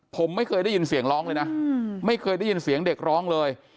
ผมไม่เคยได้ยินเสียงร้องเลยนะไม่เคยได้ยินเสียงเด็กร้องเลย